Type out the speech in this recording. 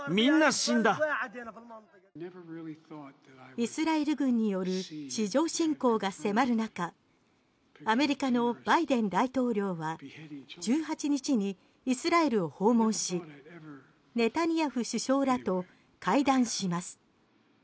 イスラエル軍による地上侵攻が迫る中、アメリカのバイデン大統領は１８日にイスラエルを訪問しネタニヤフ首相らと会談します。